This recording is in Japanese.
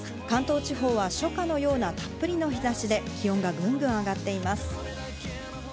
関東地方は初夏のような、たっぷりの日差しで気温がぐんぐん上がっています。